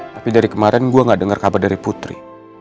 tapi dari kemaren gua gak denger kabar dari putri